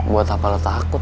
buat apa lo takut